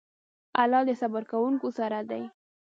الله د صبر کوونکو سره دی.